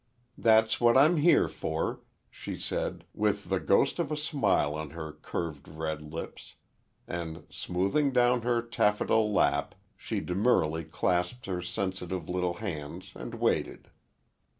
"That's what I'm here for," she said, with the ghost of a smile on her curved red lips, and, smoothing down her taffeta lap, she demurely clasped her sensitive little hands and waited.